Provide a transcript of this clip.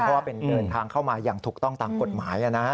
เพราะว่าเป็นเดินทางเข้ามาอย่างถูกต้องตามกฎหมาย